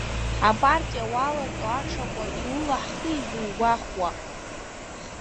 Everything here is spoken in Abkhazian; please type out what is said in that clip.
Апартиа уалаҵо аҽакуа, иулаҳхи зугәахәуа?